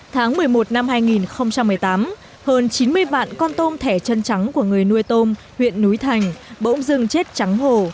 tháng một mươi một năm hai nghìn một mươi tám hơn chín mươi vạn con tôm thẻ chân trắng của người nuôi tôm huyện núi thành bỗng dưng chết trắng hồ